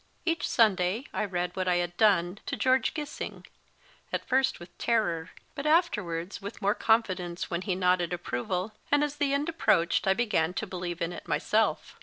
Each Sunday I read what I had done to George Gissing ; at first with terror, but afterwards with more confi dence when he nodded approval, and as the end approached I began to believe in it myself.